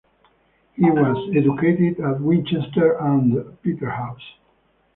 He was educated at Winchester and Peterhouse.